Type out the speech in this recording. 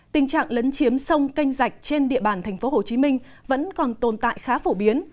tình trạng lấn chiếm sông canh rạch trên địa bàn tp hcm vẫn còn tồn tại khá phổ biến